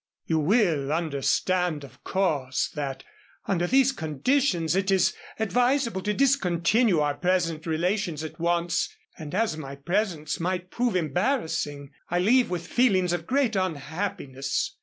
"You will understand, of course, that under these conditions it is advisable to discontinue our present relations at once, and as my presence might prove embarrassing I leave with feelings of great unhappiness.